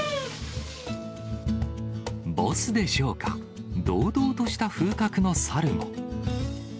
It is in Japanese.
ボスでしょうか、堂々とした風格のサルも。